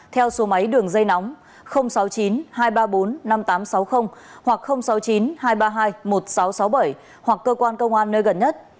theo số máy đường dây nóng sáu mươi chín hai trăm ba mươi bốn năm nghìn tám trăm sáu mươi hoặc sáu mươi chín hai trăm ba mươi hai một nghìn sáu trăm sáu mươi bảy hoặc cơ quan công an nơi gần nhất